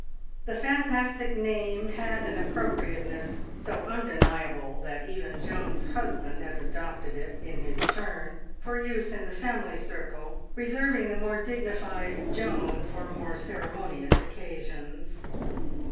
The fantastic name had an appropriateness so undeniable that even Joan's husband had adopted it in his turn for use in the family circle, reserving the more dignified "Joan" for more ceremonious occasions.